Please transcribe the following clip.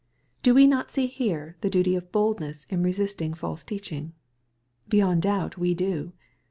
Do we not see here the duty of boldness in resisting false teaching ? Beyond doubt we do.